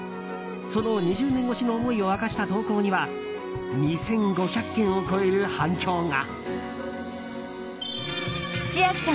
その２０年越しの思いを明かした投稿には２５００件を超える反響が。